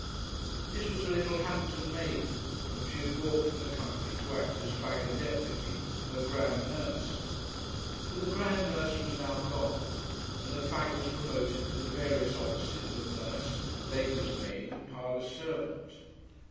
This was a little Hampton maiden, whom she had brought from the country to act as fag and deputy to her grand nurse; but the grand nurse was now gone, and the fag was promoted to the various offices of nurse, lady's maid, and parlour servant.